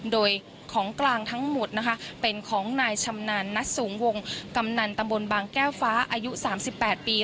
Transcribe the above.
โดยของกลางทั้งหมดนะคะเป็นของนายชำนาญนัดสูงวงกำนันตำบลบางแก้วฟ้าอายุ๓๘ปี